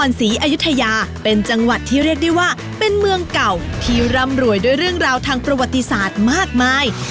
ศรีอายุทยาเป็นจังหวัดที่เรียกได้ว่าเป็นเมืองเก่าที่ร่ำรวยด้วยเรื่องราวทางประวัติศาสตร์มากมาย